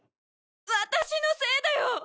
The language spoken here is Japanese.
私のせいだよ！